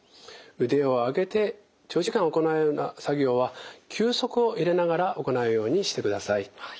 腕を上げて長時間行うような作業は休息を入れながら行うようにしてください。